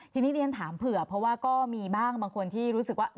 ทีนี้เรียนถามเผื่อเพราะว่าก็มีบ้างบางคนที่รู้สึกว่า